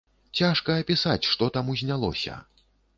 Цяжка апісаць, што там узнялося!